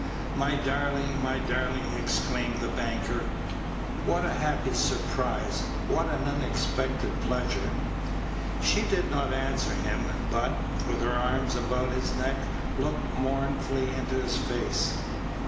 "My darling, my darling!" exclaimed the banker, "what a happy surprise, what an unexpected pleasure!" She did not answer him, but, with her arms about his neck, looked mournfully into his face.